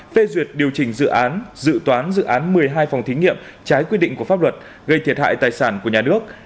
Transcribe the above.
phê duyệt điều chỉnh dự án dự toán dự án một mươi hai phòng thí nghiệm trái quy định của pháp luật gây thiệt hại tài sản của nhà nước